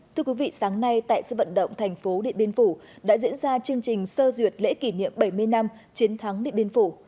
thưa quý vị sáng nay tại sự vận động thành phố điện biên phủ đã diễn ra chương trình sơ duyệt lễ kỷ niệm bảy mươi năm chiến thắng điện biên phủ